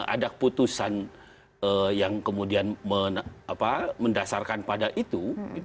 ada keputusan yang kemudian mendasarkan pada itu